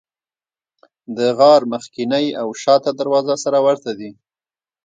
د غار مخکینۍ او شاته دروازه سره ورته دي.